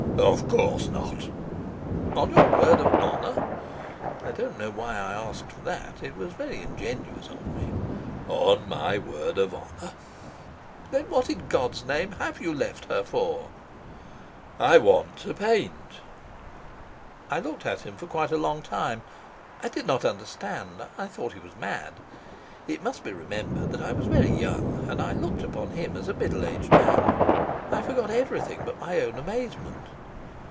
"Of course not." "On your word of honour?" I don't know why I asked for that. It was very ingenuous of me. "On my word of honour." "Then, what in God's name have you left her for?" "I want to paint." I looked at him for quite a long time. I did not understand. I thought he was mad. It must be remembered that I was very young, and I looked upon him as a middle aged man. I forgot everything but my own amazement.